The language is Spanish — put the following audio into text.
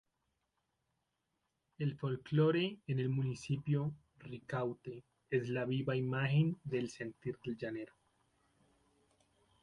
El folclore en el Municipio Ricaurte es la viva imagen del sentir del llanero.